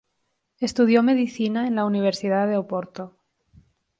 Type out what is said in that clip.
Estudió medicina en la Universidad de Oporto.